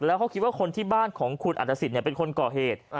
แล้วเขาคิดว่าคนที่บ้านของคุณอัตสิทธิ์เป็นคนก่อเหตุ